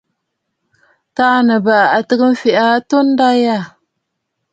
Taà Nɨ̀bàʼà a tɨgə mfee aa atunda yâ.